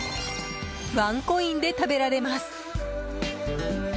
ワンコインで食べられます。